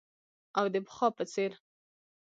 او د پخوا په څیر